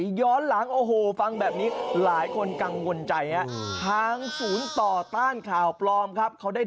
วุธชมครับฟังตอนนี้โลกมือหน่อยที่รับเงินเยียวยาจากรัฐ